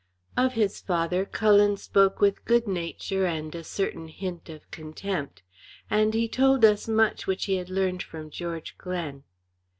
Of his father, Cullen spoke with good nature and a certain hint of contempt; and he told us much which he had learned from George Glen.